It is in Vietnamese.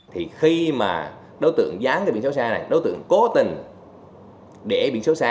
thì khi mà đối tượng dán cái biển sâu xa này đối tượng cố tình để biển sâu xa